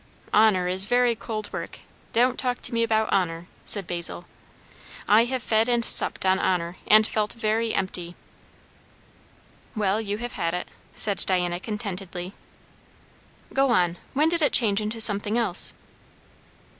"Honour is very cold work; don't talk to me about honour," said Basil. "I have fed and supped on honour, and felt very empty!" "Well, you have had it," said Diana contentedly. "Go on. When did it change into something else?"